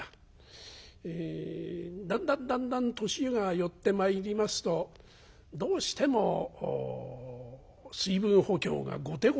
だんだんだんだん年が寄ってまいりますとどうしても水分補給が後手後手になりましてね。